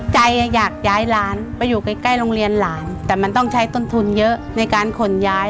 อยากย้ายหลานไปอยู่ใกล้ใกล้โรงเรียนหลานแต่มันต้องใช้ต้นทุนเยอะในการขนย้าย